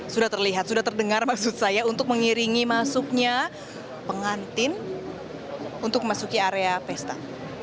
sudah terlihat sudah terdengar maksud saya untuk mengiringi masuknya pengantin untuk memasuki area pesta